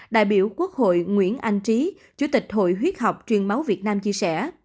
đại biểu quốc hội nguyễn anh trí chủ tịch hội huyết học truyền máu việt nam chia sẻ